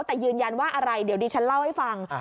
แต่ยืนยันว่าอะไรเดี๋ยวดิฉันเล่าให้ฟัง